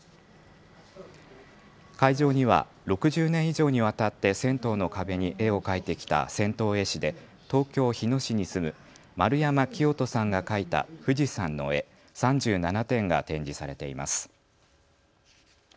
会場には６０年以上にわたって銭湯の壁に絵を描いてきた銭湯絵師で東京日野市に住む丸山清人さんが描いた富士山の絵３７点が展示されています。